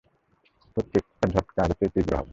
প্রত্যেকটা ঝটকা আগের চেয়ে তীব্র হবে।